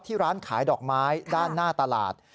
ร้านขายดอกไม้ด้านหน้าตลาด